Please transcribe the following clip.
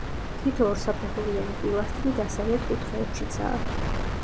თითო ორსაფეხურიანი პილასტრი დასავლეთ კუთხეებშიცაა.